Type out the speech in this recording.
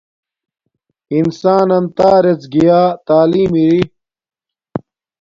انسان نن تارڎ گیا تعلیم اری